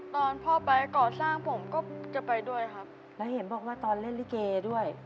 ตอนพ่อไปก่อสร้างผมก็จะไปด้วยครับแล้วเห็นบอกว่าตอนเล่นลิเกด้วย